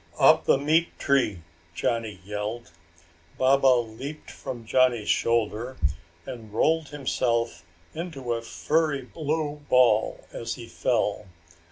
"Up the meat tree!" Johnny yelled. Baba leaped from Johnny's shoulder and rolled himself into a furry blue ball as he fell.